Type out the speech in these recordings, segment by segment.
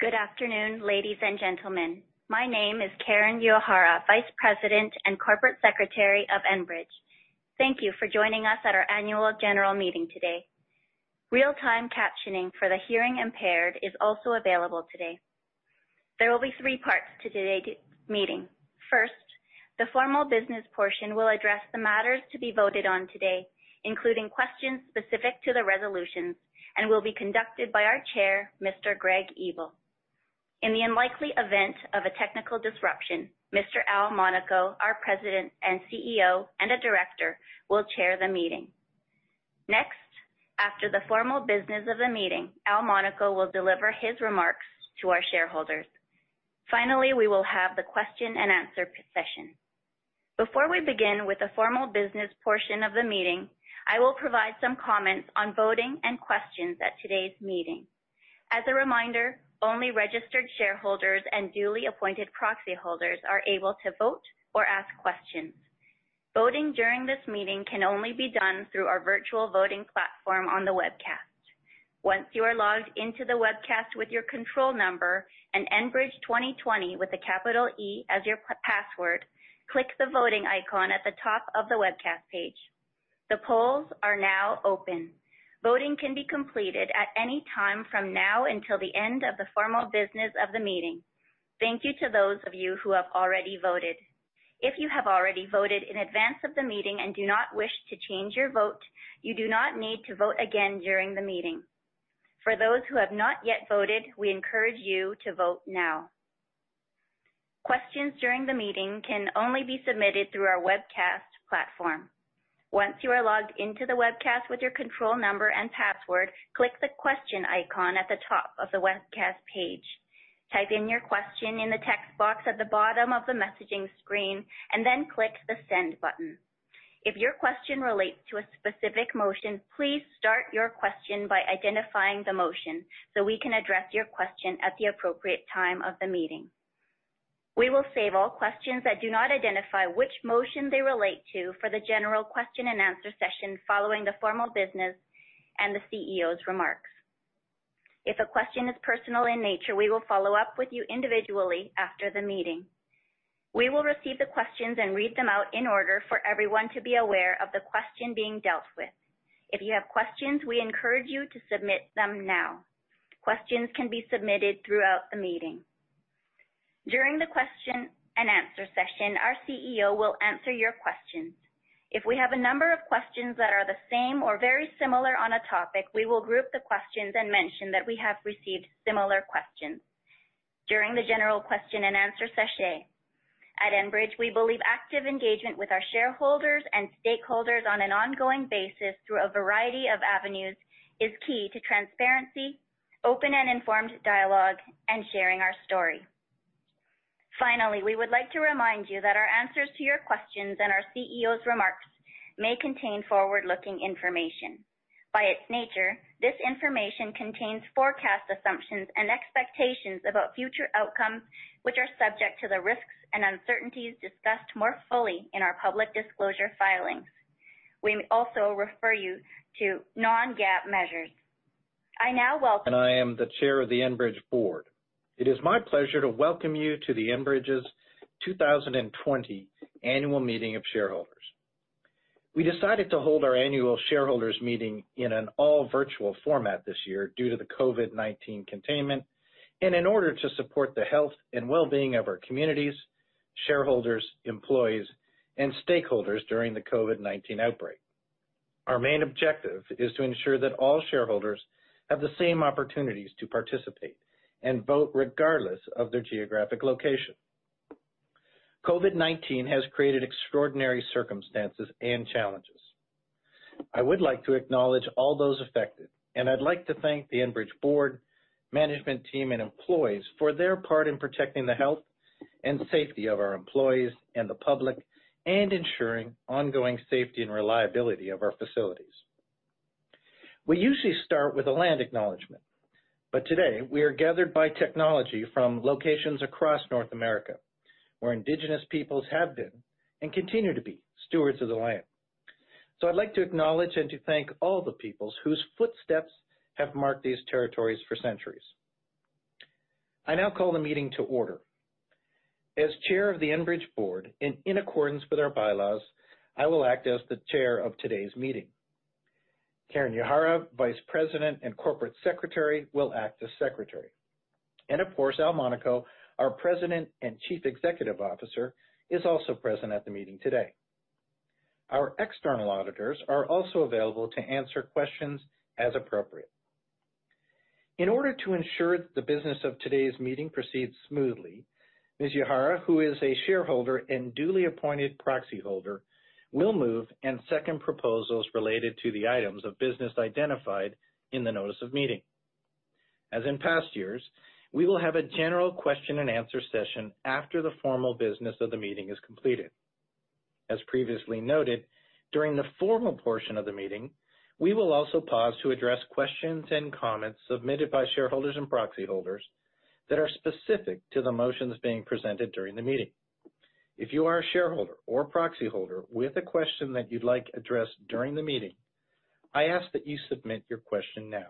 Good afternoon, ladies and gentlemen. My name is Karen Uehara, Vice President and Corporate Secretary of Enbridge. Thank you for joining us at our annual general meeting today. Real-time captioning for the hearing impaired is also available today. There will be three parts to today's meeting. First, the formal business portion will address the matters to be voted on today, including questions specific to the resolutions, and will be conducted by our Chair, Mr. Greg Ebel. In the unlikely event of a technical disruption, Mr. Al Monaco, our President and CEO and a Director, will chair the meeting. Next, after the formal business of the meeting, Al Monaco will deliver his remarks to our shareholders. Finally, we will have the question and answer session. Before we begin with the formal business portion of the meeting, I will provide some comments on voting and questions at today's meeting. As a reminder, only registered shareholders and duly appointed proxy holders are able to vote or ask questions. Voting during this meeting can only be done through our virtual voting platform on the webcast. Once you are logged into the webcast with your control number and Enbridge2020 with a capital E as your password, click the voting icon at the top of the webcast page. The polls are now open. Voting can be completed at any time from now until the end of the formal business of the meeting. Thank you to those of you who have already voted. If you have already voted in advance of the meeting and do not wish to change your vote, you do not need to vote again during the meeting. For those who have not yet voted, we encourage you to vote now. Questions during the meeting can only be submitted through our webcast platform. Once you are logged in to the webcast with your control number and password, click the question icon at the top of the webcast page. Type in your question in the text box at the bottom of the messaging screen, and then click the send button. If your question relates to a specific motion, please start your question by identifying the motion so we can address your question at the appropriate time of the meeting. We will save all questions that do not identify which motion they relate to for the general question and answer session following the formal business and the CEO's remarks. If a question is personal in nature, we will follow up with you individually after the meeting. We will receive the questions and read them out in order for everyone to be aware of the question being dealt with. If you have questions, we encourage you to submit them now. Questions can be submitted throughout the meeting. During the question and answer session, our CEO will answer your questions. If we have a number of questions that are the same or very similar on a topic, we will group the questions and mention that we have received similar questions during the general question and answer session. At Enbridge, we believe active engagement with our shareholders and stakeholders on an ongoing basis through a variety of avenues is key to transparency, open and informed dialogue, and sharing our story. Finally, we would like to remind you that our answers to your questions and our CEO's remarks may contain forward-looking information. By its nature, this information contains forecast assumptions and expectations about future outcomes, which are subject to the risks and uncertainties discussed more fully in our public disclosure filings. We also refer you to non-GAAP measures. I now welcome. I am the Chair of the Enbridge Board. It is my pleasure to welcome you to Enbridge's 2020 Annual Meeting of Shareholders. We decided to hold our annual shareholders meeting in an all virtual format this year due to the COVID-19 containment and in order to support the health and wellbeing of our communities, shareholders, employees, and stakeholders during the COVID-19 outbreak. Our main objective is to ensure that all shareholders have the same opportunities to participate and vote regardless of their geographic location. COVID-19 has created extraordinary circumstances and challenges. I would like to acknowledge all those affected, and I'd like to thank the Enbridge Board, management team, and employees for their part in protecting the health and safety of our employees and the public and ensuring ongoing safety and reliability of our facilities. We usually start with a land acknowledgment. Today we are gathered by technology from locations across North America, where Indigenous peoples have been and continue to be stewards of the land. I'd like to acknowledge and to thank all the peoples whose footsteps have marked these territories for centuries. I now call the meeting to order. As Chair of the Enbridge Board and in accordance with our bylaws, I will act as the chair of today's meeting. Karen Uehara, Vice President and Corporate Secretary, will act as Secretary. Of course, Al Monaco, our President and Chief Executive Officer, is also present at the meeting today. Our external auditors are also available to answer questions as appropriate. In order to ensure the business of today's meeting proceeds smoothly, Ms. Uehara, who is a shareholder and duly appointed proxy holder, will move and second proposals related to the items of business identified in the notice of meeting. As in past years, we will have a general question and answer session after the formal business of the meeting is completed. As previously noted, during the formal portion of the meeting, we will also pause to address questions and comments submitted by shareholders and proxy holders that are specific to the motions being presented during the meeting. If you are a shareholder or proxy holder with a question that you'd like addressed during the meeting, I ask that you submit your question now.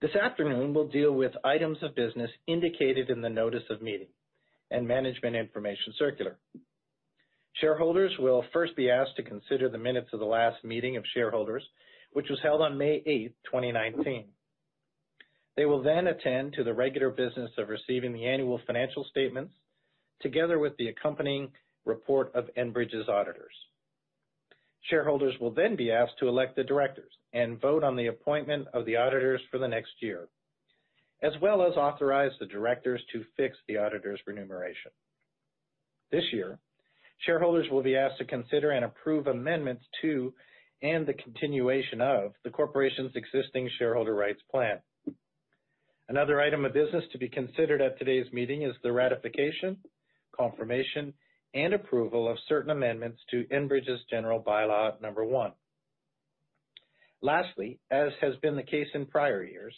This afternoon, we'll deal with items of business indicated in the notice of meeting and management information circular. Shareholders will first be asked to consider the minutes of the last meeting of shareholders, which was held on May 8, 2019. They will then attend to the regular business of receiving the annual financial statements, together with the accompanying report of Enbridge's auditors. Shareholders will then be asked to elect the directors and vote on the appointment of the auditors for the next year, as well as authorize the directors to fix the auditors' remuneration. This year, shareholders will be asked to consider and approve amendments to, and the continuation of, the corporation's existing shareholder rights plan. Another item of business to be considered at today's meeting is the ratification, confirmation, and approval of certain amendments to Enbridge's General By-Law No. 1. Lastly, as has been the case in prior years,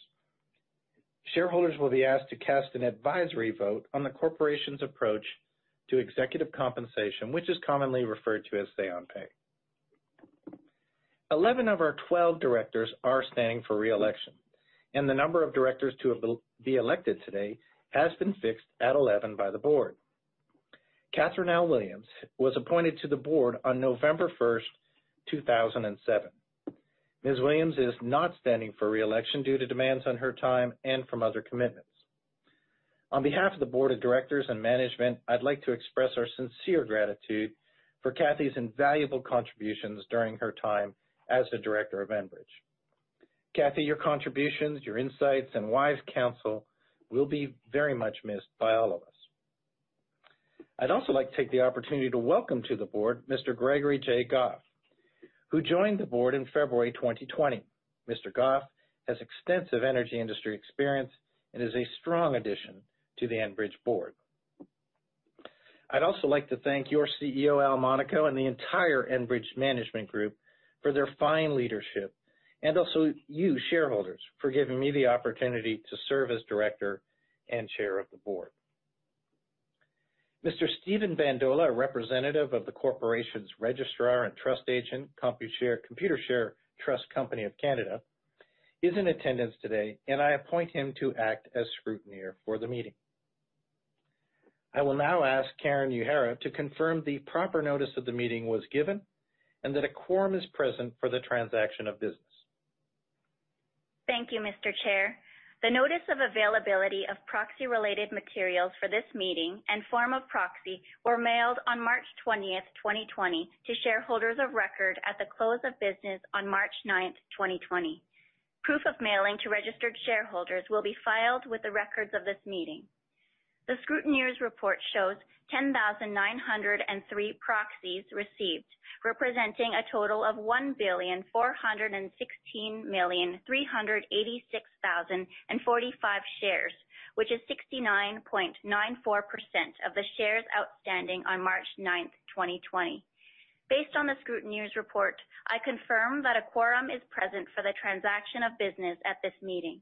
shareholders will be asked to cast an advisory vote on the corporation's approach to executive compensation, which is commonly referred to as say on pay. Eleven of our 12 directors are standing for re-election, and the number of directors to be elected today has been fixed at 11 by the board. Catherine L. Williams was appointed to the board on November 1st, 2007. Ms. Williams is not standing for re-election due to demands on her time and from other commitments. On behalf of the board of directors and management, I'd like to express our sincere gratitude for Cathy's invaluable contributions during her time as a director of Enbridge. Cathy, your contributions, your insights, and wise counsel will be very much missed by all of us. I'd also like to take the opportunity to welcome to the board Mr. Gregory J. Goff, who joined the board in February 2020. Mr. Goff has extensive energy industry experience and is a strong addition to the Enbridge board. I'd also like to thank your CEO, Al Monaco, and the entire Enbridge management group for their fine leadership, and also you, shareholders, for giving me the opportunity to serve as Director and Chair of the Board. Mr. Steven Bandola, a representative of the corporation's registrar and trust agent, Computershare Trust Company of Canada, is in attendance today, and I appoint him to act as scrutineer for the meeting. I will now ask Karen Uehara to confirm the proper notice of the meeting was given and that a quorum is present for the transaction of business. Thank you, Mr. Chair. The notice of availability of proxy related materials for this meeting and form of proxy were mailed on March 20th, 2020, to shareholders of record at the close of business on March 9th, 2020. Proof of mailing to registered shareholders will be filed with the records of this meeting. The scrutineer's report shows 10,903 proxies received, representing a total of 1,416,386,045 shares, which is 69.94% of the shares outstanding on March 9th, 2020. Based on the scrutineer's report, I confirm that a quorum is present for the transaction of business at this meeting.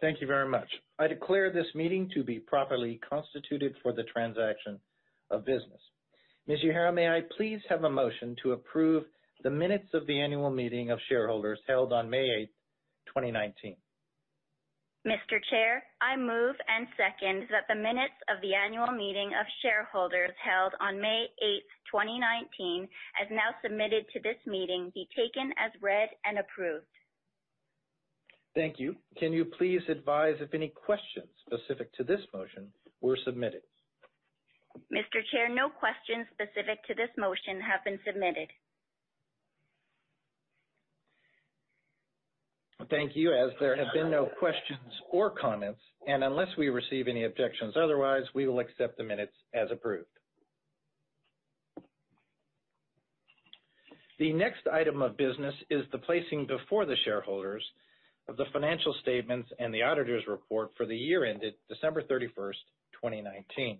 Thank you very much. I declare this meeting to be properly constituted for the transaction of business. Ms. Uehara, may I please have a motion to approve the minutes of the annual meeting of shareholders held on May 8th, 2019? Mr. Chair, I move and second that the minutes of the annual meeting of shareholders held on May 8th, 2019, as now submitted to this meeting, be taken as read and approved. Thank you. Can you please advise if any questions specific to this motion were submitted? Mr. Chair, no questions specific to this motion have been submitted. Thank you. As there have been no questions or comments, and unless we receive any objections otherwise, we will accept the minutes as approved. The next item of business is the placing before the shareholders of the financial statements and the auditor's report for the year ended December 31st, 2019.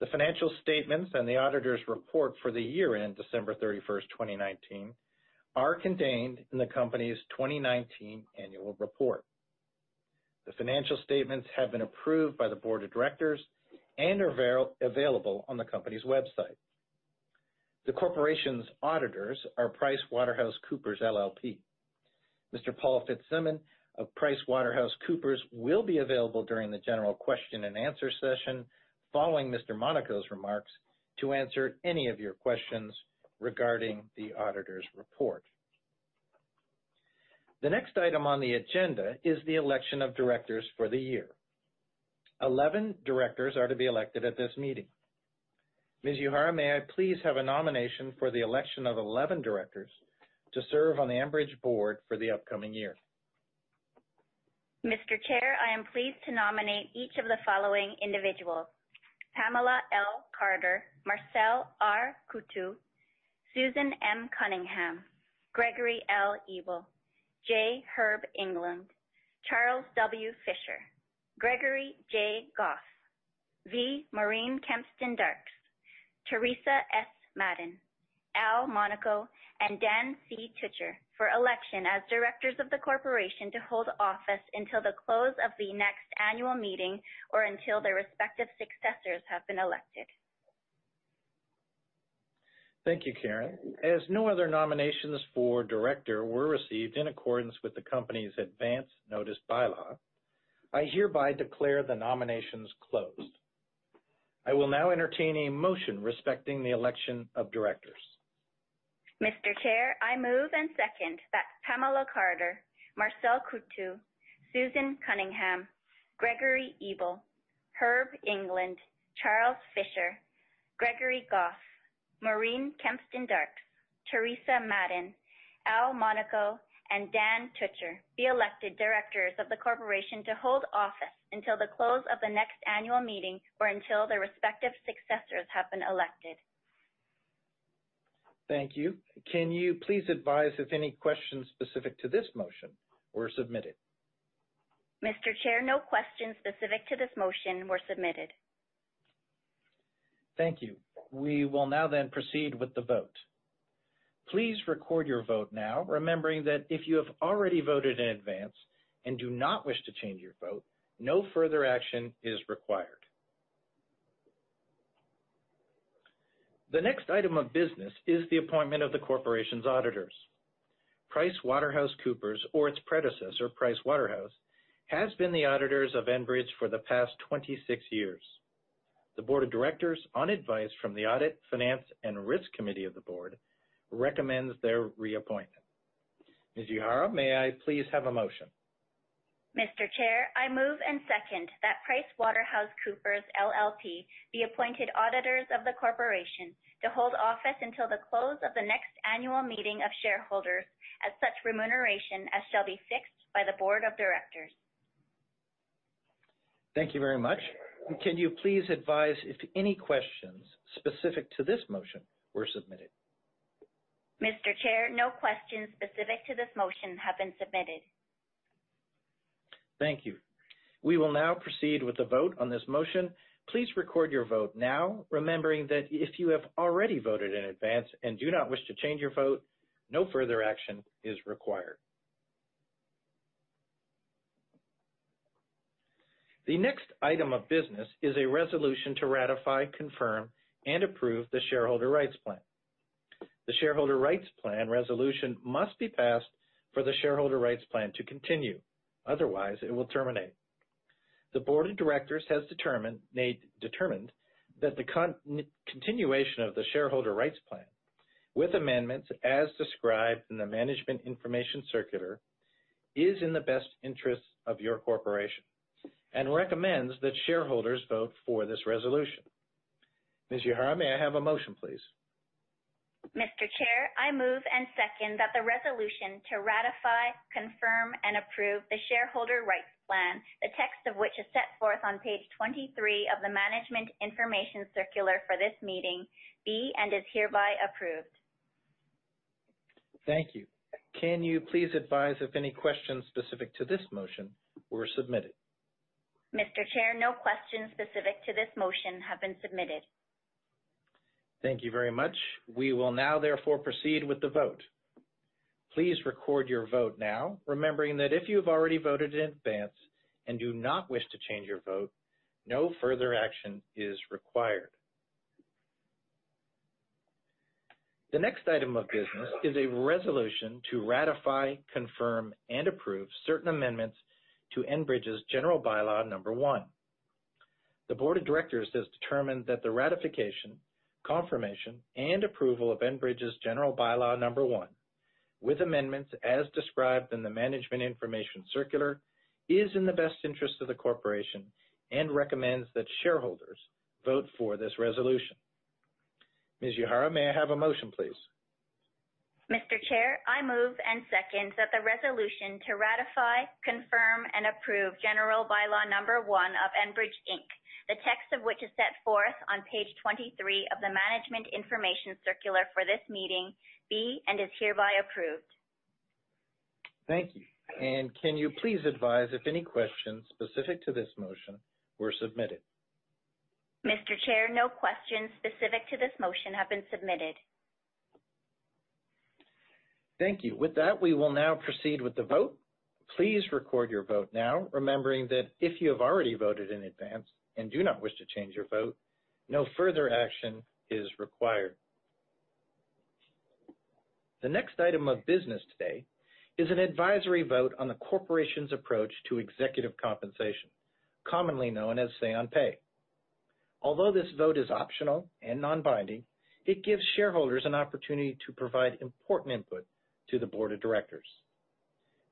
The financial statements and the auditor's report for the year ended December 31st, 2019, are contained in the company's 2019 annual report. The financial statements have been approved by the board of directors and are available on the company's website. The corporation's auditors are PricewaterhouseCoopers LLP. Mr. Paul Fitzsimmons of PricewaterhouseCoopers will be available during the general question and answer session following Mr. Monaco's remarks to answer any of your questions regarding the auditor's report. The next item on the agenda is the election of directors for the year. 11 directors are to be elected at this meeting. Ms. Uehara, may I please have a nomination for the election of 11 directors to serve on the Enbridge board for the upcoming year? Mr. Chair, I am pleased to nominate each of the following individuals: Pamela L. Carter, Marcel R. Coutu, Susan M. Cunningham, Gregory L. Ebel, J. Herb England, Charles W. Fischer, Gregory J. Goff, V. Maureen Kempston Darkes, Teresa S. Madden, Al Monaco, and Dan C. Tutcher for election as directors of the corporation to hold office until the close of the next annual meeting or until their respective successors have been elected. Thank you, Karen. As no other nominations for director were received in accordance with the company's advance notice bylaw, I hereby declare the nominations closed. I will now entertain a motion respecting the election of directors. Mr. Chair, I move and second that Pamela Carter, Marcel Coutu, Susan Cunningham, Gregory Ebel, Herb England, Charles Fischer, Gregory Goff, Maureen Kempston Darkes, Teresa Madden, Al Monaco, and Dan Tutcher be elected directors of the corporation to hold office until the close of the next annual meeting or until their respective successors have been elected. Thank you. Can you please advise if any questions specific to this motion were submitted? Mr. Chair, no questions specific to this motion were submitted. Thank you. We will now proceed with the vote. Please record your vote now, remembering that if you have already voted in advance and do not wish to change your vote, no further action is required. The next item of business is the appointment of the corporation's auditors. PricewaterhouseCoopers, or its predecessor, Pricewaterhouse, has been the auditors of Enbridge for the past 26 years. The Board of Directors, on advice from the Audit, Finance, and Risk Committee of the Board, recommends their reappointment. Ms. Uehara, may I please have a motion? Mr. Chair, I move and second that PricewaterhouseCoopers LLP be appointed auditors of the corporation to hold office until the close of the next annual meeting of shareholders at such remuneration as shall be fixed by the board of directors. Thank you very much. Can you please advise if any questions specific to this motion were submitted? Mr. Chair, no questions specific to this motion have been submitted. Thank you. We will now proceed with the vote on this motion. Please record your vote now, remembering that if you have already voted in advance and do not wish to change your vote, no further action is required. The next item of business is a resolution to ratify, confirm, and approve the shareholder rights plan. The shareholder rights plan resolution must be passed for the shareholder rights plan to continue. Otherwise, it will terminate. The board of directors has determined that the continuation of the shareholder rights plan with amendments as described in the management information circular is in the best interest of your corporation and recommends that shareholders vote for this resolution. Ms. Uehara, may I have a motion, please? Mr. Chair, I move and second that the resolution to ratify, confirm, and approve the shareholder rights plan, the text of which is set forth on page 23 of the management information circular for this meeting, be and is hereby approved. Thank you. Can you please advise if any questions specific to this motion were submitted? Mr. Chair, no questions specific to this motion have been submitted. Thank you very much. We will now therefore proceed with the vote. Please record your vote now, remembering that if you have already voted in advance and do not wish to change your vote, no further action is required. The next item of business is a resolution to ratify, confirm, and approve certain amendments to Enbridge's General By-Law No. 1. The board of directors has determined that the ratification, confirmation, and approval of Enbridge's General By-Law No. 1, with amendments as described in the management information circular, is in the best interest of the corporation and recommends that shareholders vote for this resolution. Ms. Uehara, may I have a motion, please? Mr. Chair, I move and second that the resolution to ratify, confirm, and approve General By-Law No. 1 of Enbridge Inc., the text of which is set forth on page 23 of the management information circular for this meeting, be and is hereby approved. Thank you. Can you please advise if any questions specific to this motion were submitted? Mr. Chair, no questions specific to this motion have been submitted. Thank you. With that, we will now proceed with the vote. Please record your vote now, remembering that if you have already voted in advance and do not wish to change your vote, no further action is required. The next item of business today is an advisory vote on the corporation's approach to executive compensation, commonly known as say on pay. Although this vote is optional and non-binding, it gives shareholders an opportunity to provide important input to the board of directors.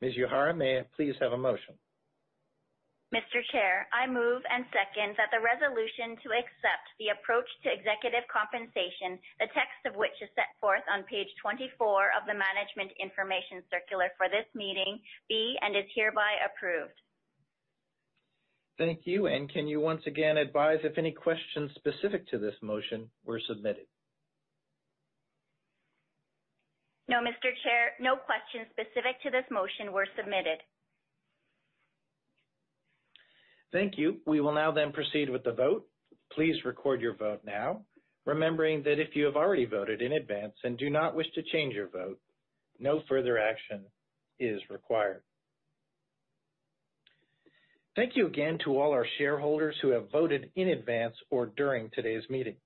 Ms. Uehara, may I please have a motion? Mr. Chair, I move and second that the resolution to accept the approach to executive compensation, the text of which is set forth on page 24 of the management information circular for this meeting, be and is hereby approved. Thank you. Can you once again advise if any questions specific to this motion were submitted? No, Mr. Chair, no questions specific to this motion were submitted. Thank you. We will now then proceed with the vote. Please record your vote now, remembering that if you have already voted in advance and do not wish to change your vote, no further action is required. Thank you again to all our shareholders who have voted in advance or during today's meeting.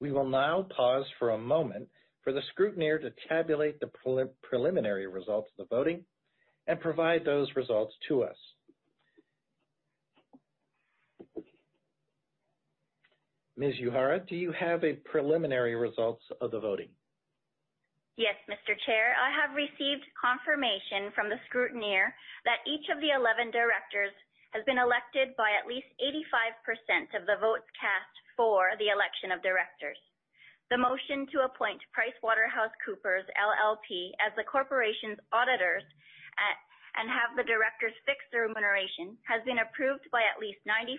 We will now pause for a moment for the scrutineer to tabulate the preliminary results of the voting and provide those results to us. Ms. Uehara, do you have a preliminary results of the voting? Yes, Mr. Chair. I have received confirmation from the scrutineer that each of the 11 directors has been elected by at least 85% of the votes cast for the election of directors. The motion to appoint PricewaterhouseCoopers LLP as the corporation's auditors and have the directors fix their remuneration has been approved by at least 95%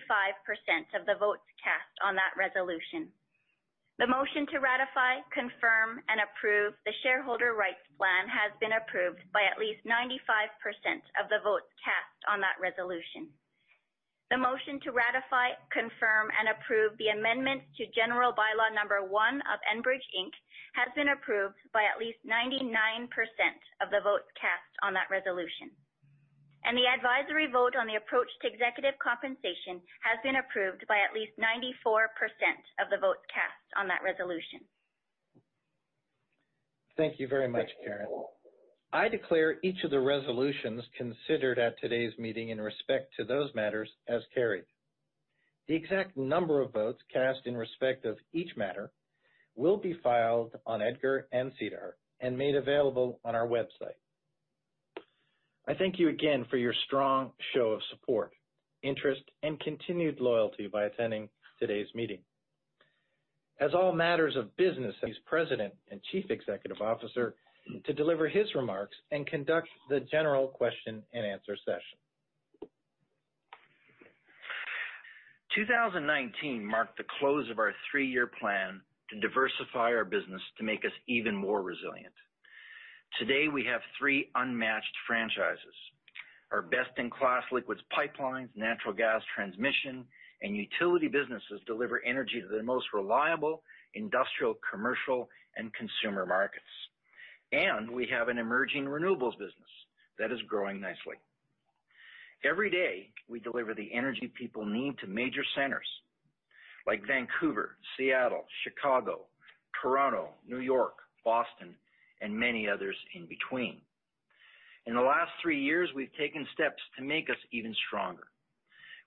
of the votes cast on that resolution. The motion to ratify, confirm, and approve the shareholder rights plan has been approved by at least 95% of the votes cast on that resolution. The motion to ratify, confirm, and approve the amendment to General By-Law No. 1 of Enbridge Inc. has been approved by at least 99% of the votes cast on that resolution. The advisory vote on the approach to executive compensation has been approved by at least 94% of the votes cast on that resolution. Thank you very much, Karen. I declare each of the resolutions considered at today's meeting in respect to those matters as carried. The exact number of votes cast in respect of each matter will be filed on EDGAR and SEDAR and made available on our website. I thank you again for your strong show of support, interest, and continued loyalty by attending today's meeting. As all matters of business President and Chief Executive Officer to deliver his remarks and conduct the general question and answer session. 2019 marked the close of our three-year plan to diversify our business to make us even more resilient. Today, we have three unmatched franchises. Our best-in-class liquids pipelines, natural gas transmission, and utility businesses deliver energy to the most reliable industrial, commercial, and consumer markets. We have an emerging renewables business that is growing nicely. Every day, we deliver the energy people need to major centers like Vancouver, Seattle, Chicago, Toronto, New York, Boston, and many others in between. In the last three years, we've taken steps to make us even stronger.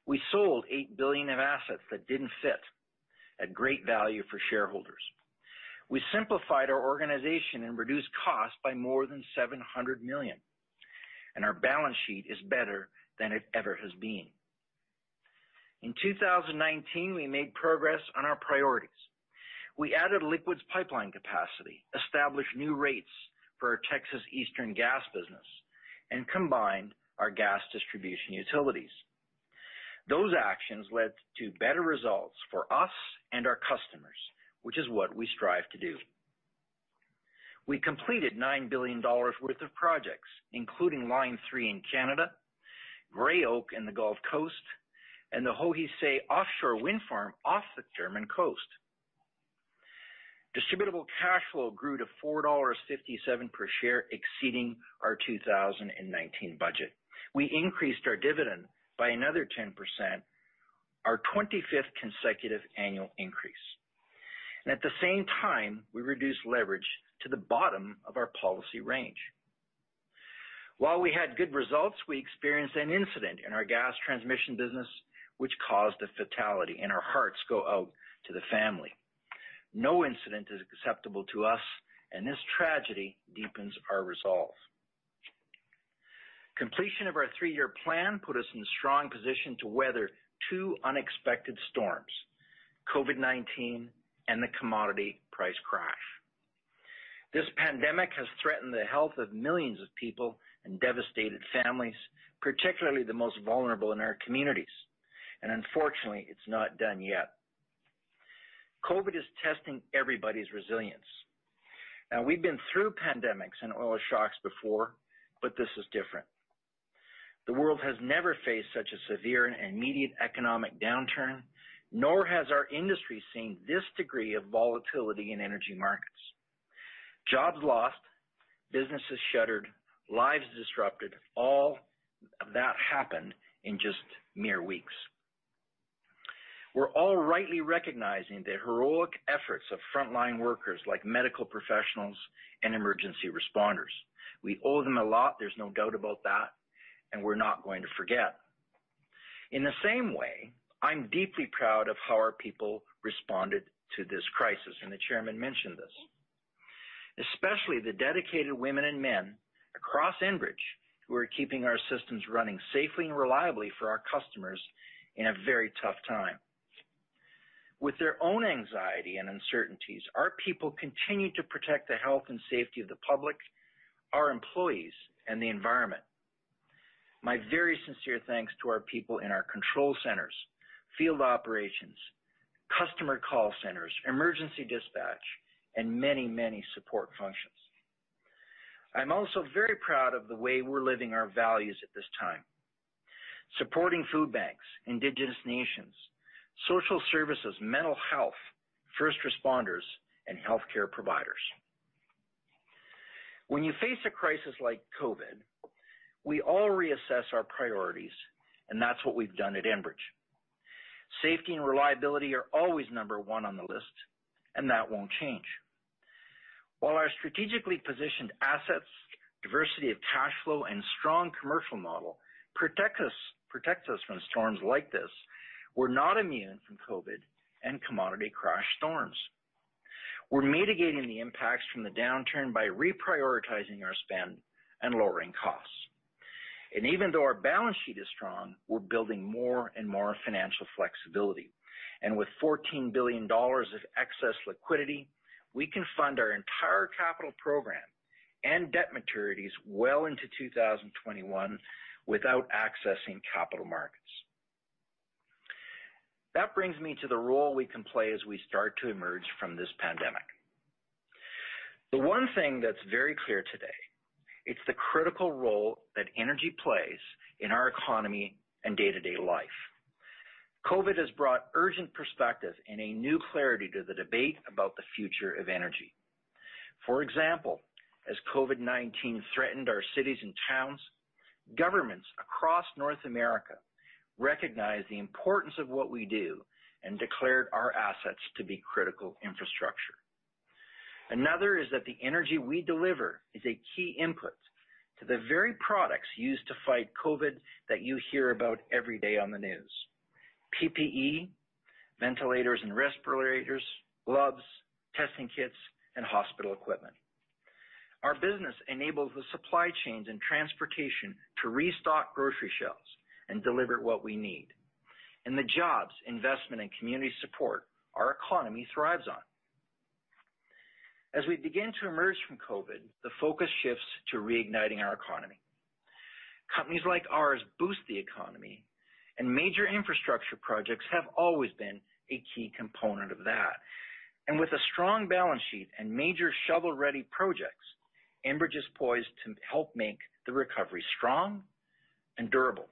We sold 8 billion of assets that didn't fit, at great value for shareholders. We simplified our organization and reduced costs by more than 700 million, and our balance sheet is better than it ever has been. In 2019, we made progress on our priorities. We added liquids pipeline capacity, established new rates for our Texas Eastern gas business. Combined our gas distribution utilities. Those actions led to better results for us and our customers, which is what we strive to do. We completed 9 billion dollars worth of projects, including Line 3 in Canada, Gray Oak in the Gulf Coast. The Hohe See offshore wind farm off the German coast. Distributable cash flow grew to 4.57 dollars per share, exceeding our 2019 budget. We increased our dividend by another 10%, our 25th consecutive annual increase. At the same time, we reduced leverage to the bottom of our policy range. While we had good results, we experienced an incident in our gas transmission business, which caused a fatality. Our hearts go out to the family. No incident is acceptable to us. This tragedy deepens our resolve. Completion of our three-year plan put us in a strong position to weather two unexpected storms, COVID-19 and the commodity price crash. This pandemic has threatened the health of millions of people and devastated families, particularly the most vulnerable in our communities. Unfortunately, it's not done yet. COVID is testing everybody's resilience. We've been through pandemics and oil shocks before, but this is different. The world has never faced such a severe and immediate economic downturn, nor has our industry seen this degree of volatility in energy markets. Jobs lost, businesses shuttered, lives disrupted, all of that happened in just mere weeks. We're all rightly recognizing the heroic efforts of frontline workers like medical professionals and emergency responders. We owe them a lot, there's no doubt about that, and we're not going to forget. In the same way, I'm deeply proud of how our people responded to this crisis. The Chairman mentioned this. Especially the dedicated women and men across Enbridge who are keeping our systems running safely and reliably for our customers in a very tough time. With their own anxiety and uncertainties, our people continue to protect the health and safety of the public, our employees, and the environment. My very sincere thanks to our people in our control centers, field operations, customer call centers, emergency dispatch, and many, many support functions. I'm also very proud of the way we're living our values at this time, supporting food banks, Indigenous Nations, social services, mental health, first responders, and healthcare providers. When you face a crisis like COVID-19, we all reassess our priorities, and that's what we've done at Enbridge. Safety and reliability are always number one on the list. That won't change. While our strategically positioned assets, diversity of cash flow, and strong commercial model protects us from storms like this, we're not immune from COVID and commodity crash storms. We're mitigating the impacts from the downturn by reprioritizing our spend and lowering costs. Even though our balance sheet is strong, we're building more and more financial flexibility. With 14 billion dollars of excess liquidity, we can fund our entire capital program and debt maturities well into 2021 without accessing capital markets. That brings me to the role we can play as we start to emerge from this pandemic. The one thing that's very clear today, it's the critical role that energy plays in our economy and day-to-day life. COVID has brought urgent perspective and a new clarity to the debate about the future of energy. For example, as COVID-19 threatened our cities and towns, governments across North America recognized the importance of what we do and declared our assets to be critical infrastructure. Another is that the energy we deliver is a key input to the very products used to fight COVID that you hear about every day on the news. PPE, ventilators and respirators, gloves, testing kits, and hospital equipment. Our business enables the supply chains and transportation to restock grocery shelves and deliver what we need. The jobs, investment, and community support our economy thrives on. As we begin to emerge from COVID, the focus shifts to reigniting our economy. Companies like ours boost the economy and major infrastructure projects have always been a key component of that. With a strong balance sheet and major shovel-ready projects, Enbridge is poised to help make the recovery strong and durable.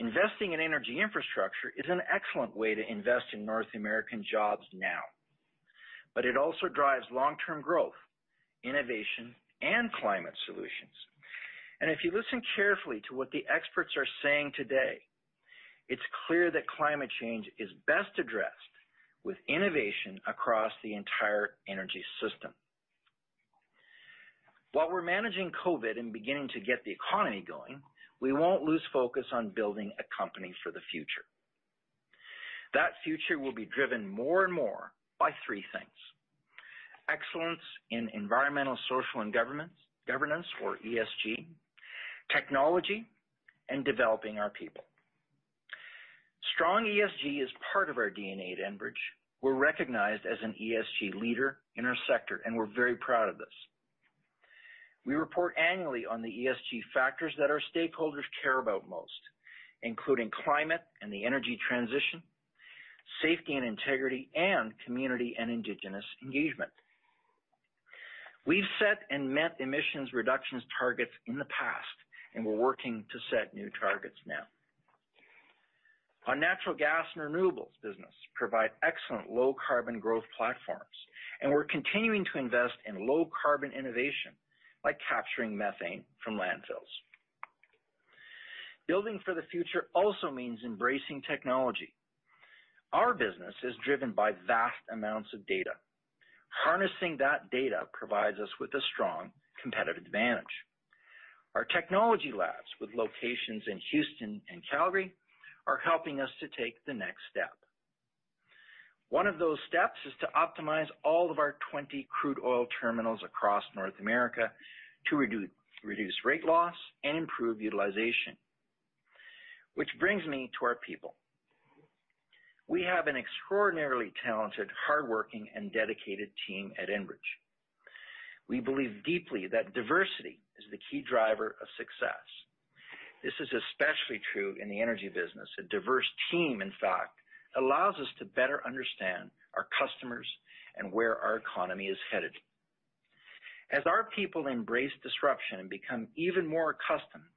Investing in energy infrastructure is an excellent way to invest in North American jobs now. It also drives long-term growth, innovation, and climate solutions. If you listen carefully to what the experts are saying today, it's clear that climate change is best addressed with innovation across the entire energy system. While we're managing COVID and beginning to get the economy going, we won't lose focus on building a company for the future. That future will be driven more and more by three things: excellence in environmental, social, and governance or ESG, technology, and developing our people. Strong ESG is part of our DNA at Enbridge. We're recognized as an ESG leader in our sector, and we're very proud of this. We report annually on the ESG factors that our stakeholders care about most, including climate and the energy transition, safety and integrity, and community and indigenous engagement. We've set and met emissions reductions targets in the past. We're working to set new targets now. Our natural gas and renewables business provide excellent low-carbon growth platforms, and we're continuing to invest in low-carbon innovation by capturing methane from landfills. Building for the future also means embracing technology. Our business is driven by vast amounts of data. Harnessing that data provides us with a strong competitive advantage. Our technology labs, with locations in Houston and Calgary, are helping us to take the next step. One of those steps is to optimize all of our 20 crude oil terminals across North America to reduce rate loss and improve utilization. Which brings me to our people. We have an extraordinarily talented, hardworking, and dedicated team at Enbridge. We believe deeply that diversity is the key driver of success. This is especially true in the energy business. A diverse team, in fact, allows us to better understand our customers and where our economy is headed. As our people embrace disruption and become even more accustomed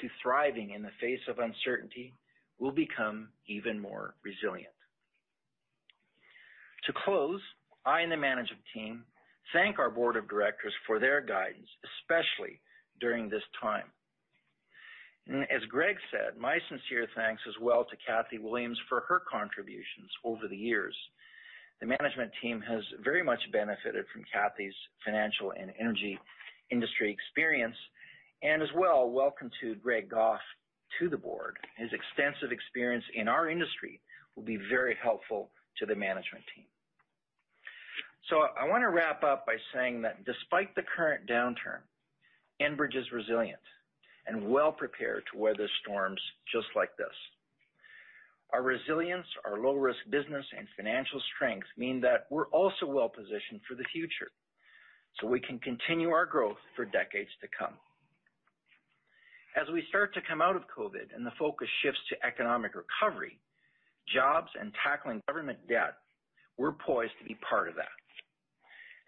to thriving in the face of uncertainty, we'll become even more resilient. To close, I and the management team thank our board of directors for their guidance, especially during this time. As Greg said, my sincere thanks as well to Cathy Williams for her contributions over the years. The management team has very much benefited from Cathy's financial and energy industry experience, and as well, welcome to Greg Goff to the board. His extensive experience in our industry will be very helpful to the management team. I want to wrap up by saying that despite the current downturn, Enbridge is resilient and well-prepared to weather storms just like this. Our resilience, our low-risk business, and financial strength mean that we're also well-positioned for the future, so we can continue our growth for decades to come. As we start to come out of COVID and the focus shifts to economic recovery, jobs, and tackling government debt, we're poised to be part of that.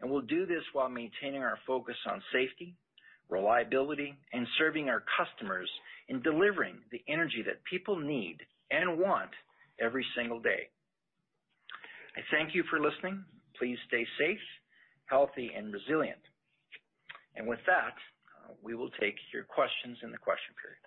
We'll do this while maintaining our focus on safety, reliability, and serving our customers in delivering the energy that people need and want every single day. I thank you for listening. Please stay safe, healthy, and resilient. With that, we will take your questions in the question period.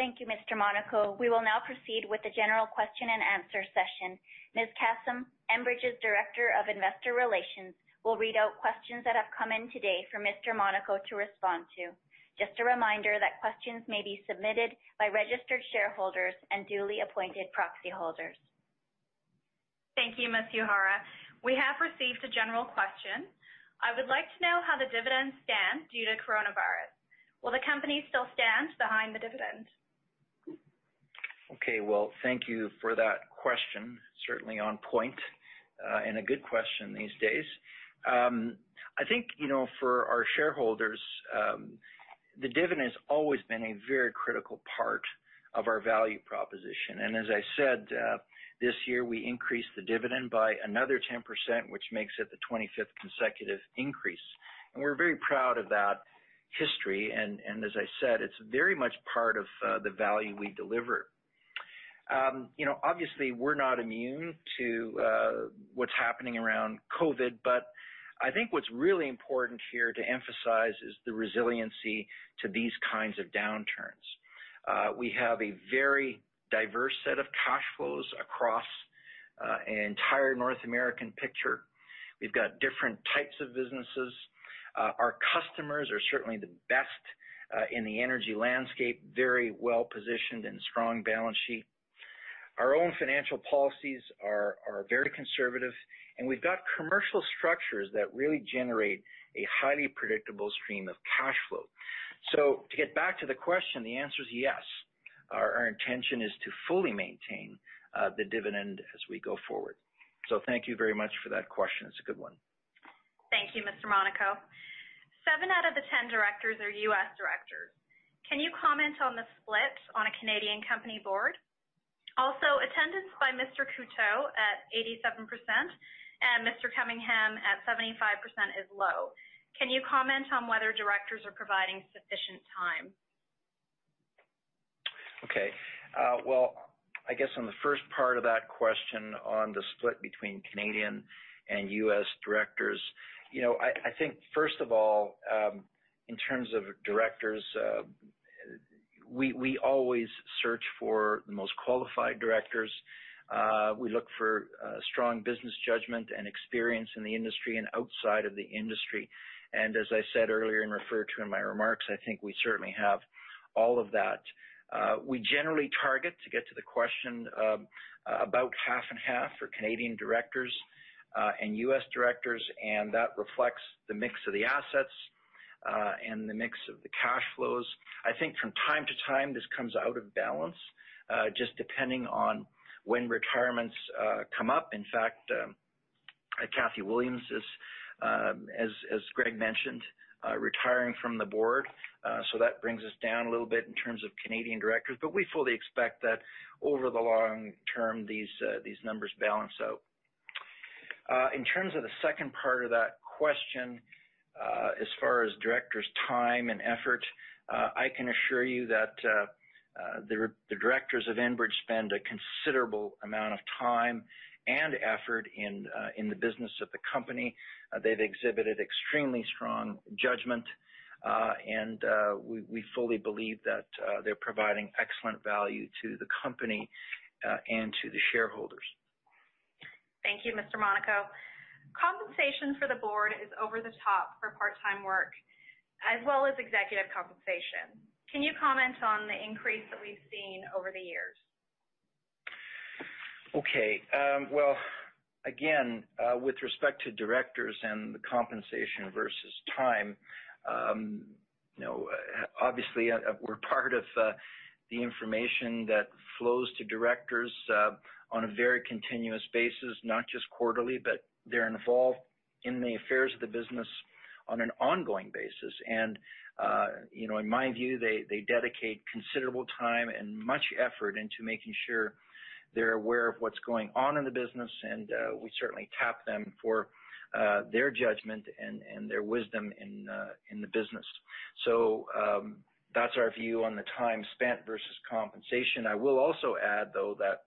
Thank you, Mr. Monaco. We will now proceed with the general question and answer session. Ms. Kassam, Enbridge's Director of Investor Relations, will read out questions that have come in today for Mr. Monaco to respond to. Just a reminder that questions may be submitted by registered shareholders and duly appointed proxy holders. Thank you, Ms. Uehara. We have received a general question. I would like to know how the dividends stand due to coronavirus. Will the company still stand behind the dividend? Okay, well, thank you for that question. Certainly on point, and a good question these days. I think, for our shareholders, the dividend has always been a very critical part of our value proposition. As I said, this year we increased the dividend by another 10%, which makes it the 25th consecutive increase. We're very proud of that history. As I said, it's very much part of the value we deliver. Obviously, we're not immune to what's happening around COVID-19, but I think what's really important here to emphasize is the resiliency to these kinds of downturns. We have a very diverse set of cash flows across an entire North American picture. We've got different types of businesses. Our customers are certainly the best in the energy landscape, very well-positioned and strong balance sheet. Our own financial policies are very conservative, and we've got commercial structures that really generate a highly predictable stream of cash flow. To get back to the question, the answer is yes. Our intention is to fully maintain the dividend as we go forward. Thank you very much for that question. It's a good one. Thank you, Mr. Monaco. Seven out of the 10 directors are U.S. directors. Can you comment on the split on a Canadian company board? Also, attendance by Mr. Coutu at 87% and Ms. Cunningham at 75% is low. Can you comment on whether directors are providing sufficient time? Well, I guess on the first part of that question on the split between Canadian and U.S. directors, I think, first of all, in terms of directors, we always search for the most qualified directors. We look for strong business judgment and experience in the industry and outside of the industry. As I said earlier and referred to in my remarks, I think we certainly have all of that. We generally target, to get to the question, about half and half for Canadian directors and U.S. directors, that reflects the mix of the assets, and the mix of the cash flows. I think from time to time, this comes out of balance, just depending on when retirements come up. In fact, Cathy Williams is, as Greg mentioned, retiring from the board. That brings us down a little bit in terms of Canadian directors, but we fully expect that over the long term, these numbers balance out. In terms of the second part of that question, as far as directors' time and effort, I can assure you that the directors of Enbridge spend a considerable amount of time and effort in the business of the company. They've exhibited extremely strong judgment, and we fully believe that they're providing excellent value to the company, and to the shareholders. Thank you, Mr. Monaco. Compensation for the board is over the top for part-time work, as well as executive compensation. Can you comment on the increase that we've seen over the years? Okay. Well, again, with respect to directors and the compensation versus time, obviously we're part of the information that flows to directors on a very continuous basis, not just quarterly, but they're involved in the affairs of the business on an ongoing basis. In my view, they dedicate considerable time and much effort into making sure they're aware of what's going on in the business. We certainly tap them for their judgment and their wisdom in the business. That's our view on the time spent versus compensation. I will also add, though, that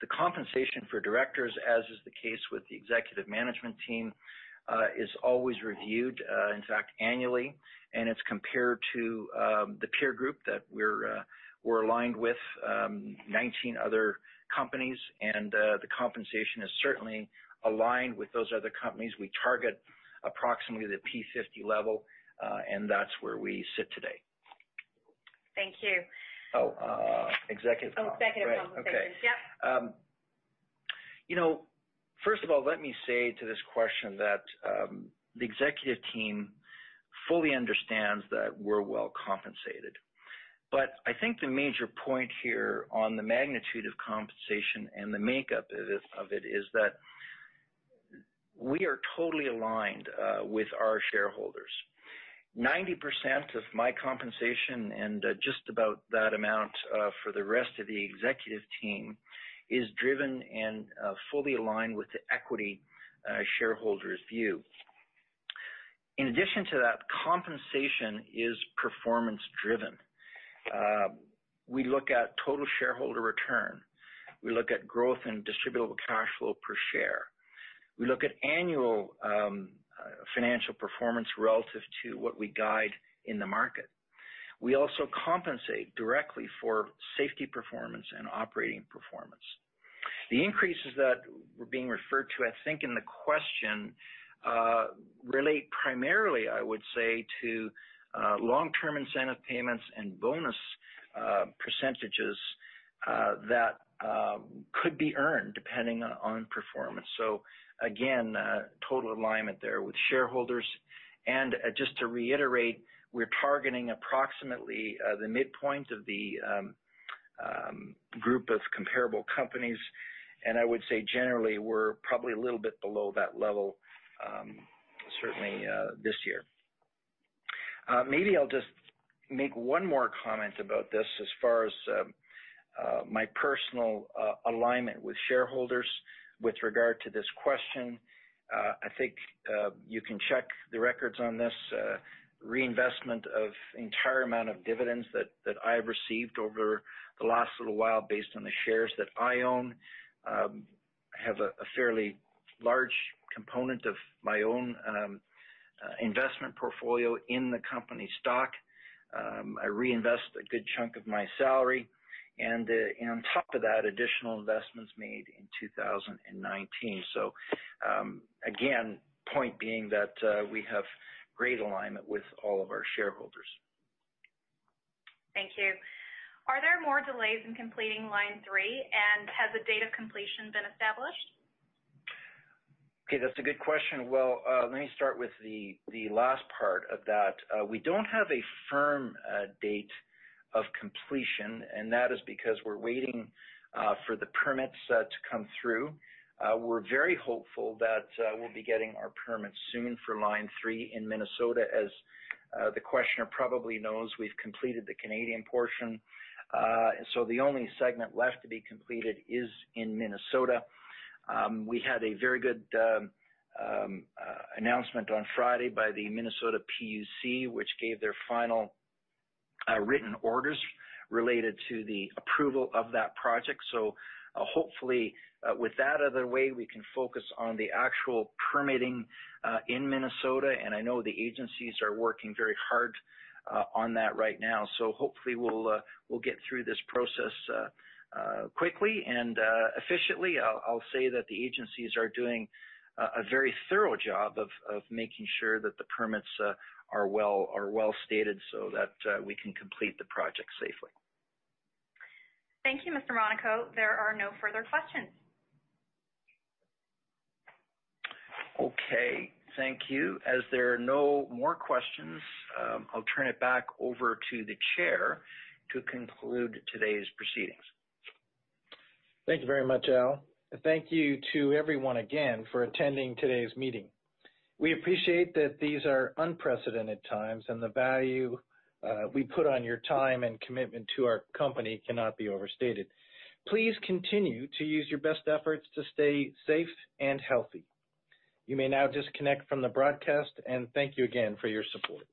the compensation for directors, as is the case with the executive management team, is always reviewed, in fact, annually, and it's compared to the peer group that we're aligned with, 19 other companies. The compensation is certainly aligned with those other companies. We target approximately the P50 level, and that's where we sit today. Thank you. Oh, executive comp. Oh, executive compensation. Right. Okay. Yep. First of all, let me say to this question that the executive team fully understands that we're well compensated. I think the major point here on the magnitude of compensation and the makeup of it is that we are totally aligned with our shareholders. 90% of my compensation, and just about that amount for the rest of the executive team, is driven and fully aligned with the equity shareholders' view. In addition to that, compensation is performance-driven. We look at total shareholder return. We look at growth and distributable cash flow per share. We look at annual financial performance relative to what we guide in the market. We also compensate directly for safety performance and operating performance. The increases that were being referred to, I think in the question, relate primarily, I would say, to long-term incentive payments and bonus percentages that could be earned depending on performance. Again, total alignment there with shareholders. Just to reiterate, we're targeting approximately the midpoint of the group of comparable companies, and I would say generally, we're probably a little bit below that level certainly this year. Maybe I'll just make one more comment about this as far as my personal alignment with shareholders with regard to this question. I think you can check the records on this reinvestment of the entire amount of dividends that I've received over the last little while, based on the shares that I own. I have a fairly large component of my own investment portfolio in the company stock. I reinvest a good chunk of my salary and on top of that, additional investments made in 2019. Again, point being that we have great alignment with all of our shareholders. Thank you. Are there more delays in completing Line 3, and has a date of completion been established? Okay, that's a good question. Well, let me start with the last part of that. That is because we're waiting for the permits to come through. We're very hopeful that we'll be getting our permits soon for Line 3 in Minnesota. As the questioner probably knows, we've completed the Canadian portion. The only segment left to be completed is in Minnesota. We had a very good announcement on Friday by the Minnesota PUC, which gave their final written orders related to the approval of that project. Hopefully, with that out of the way, we can focus on the actual permitting in Minnesota, and I know the agencies are working very hard on that right now. Hopefully we'll get through this process quickly and efficiently. I'll say that the agencies are doing a very thorough job of making sure that the permits are well-stated so that we can complete the project safely. Thank you, Mr. Monaco. There are no further questions. Okay, thank you. As there are no more questions, I'll turn it back over to the chair to conclude today's proceedings. Thank you very much, Al. Thank you to everyone again for attending today's meeting. We appreciate that these are unprecedented times, and the value we put on your time and commitment to our company cannot be overstated. Please continue to use your best efforts to stay safe and healthy. You may now disconnect from the broadcast, and thank you again for your support.